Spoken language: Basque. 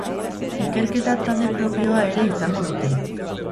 Ikerketa talde propioa ere izango dute.